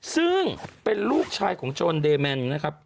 ซึ่งเป็นลูกชายของโจรเดแมนนะครับ